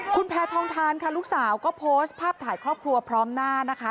คุณแพทองทานค่ะลูกสาวก็โพสต์ภาพถ่ายครอบครัวพร้อมหน้านะคะ